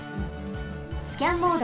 スキャンモード。